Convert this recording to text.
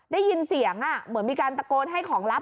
ได้ยินเสียงเหมือนมีการตะโกนให้ของลับ